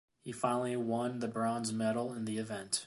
He finally won the bronze medal in the event.